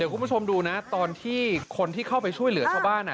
คุณผู้ชมดูนะตอนที่คนที่เข้าไปช่วยเหลือชาวบ้าน